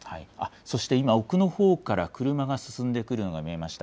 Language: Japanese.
そして今、奥のほうから車が進んでくるのが見えました。